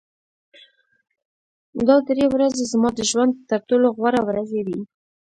دا درې ورځې زما د ژوند تر ټولو غوره ورځې وې